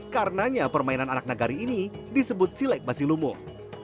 karenanya permainan anak negari ini disebut silek basilumuh